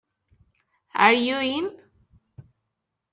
Are You In?